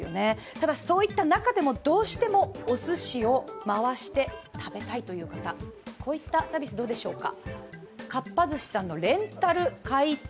ただ、そういった中でもどうしてもおすしを回して食べたいという方、こういったサービス、どうでしょうか。